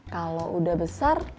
kalau udah besar